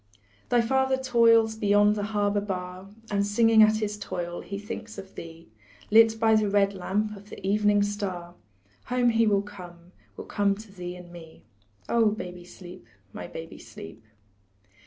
Thy father toils beyond the harbor bar, And, singing at his toil, he thinks of thee; Lit by the red lamp of the evening star Home will he come, will come to thee and me, Oh, baby, sleep, my baby, sleep.